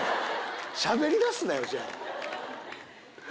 しゃべりだすなよじゃあ。